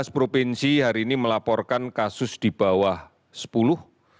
tujuh belas provinsi hari ini melaporkan kasus di bawah sepuluh